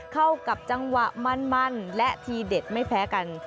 เข้ากับจังหวะมันและทีเด็ดไม่แพ้กัน